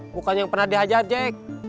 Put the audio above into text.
bukan yang pernah diajar jack